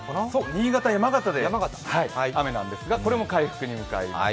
新潟、山形で雨なんですがこれも回復します。